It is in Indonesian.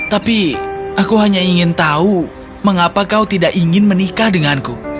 tapi aku hanya ingin tahu mengapa kau tidak ingin menikah denganku